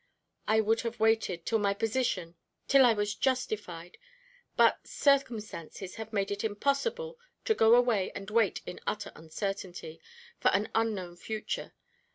I would have waited, till my position till I was justified but circumstances have made it impossible to go away and wait in utter uncertainty, for an unknown future.